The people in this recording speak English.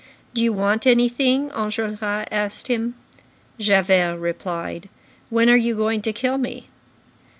"Do you want anything?" Enjolras asked him. Javert replied: "When are you going to kill me?"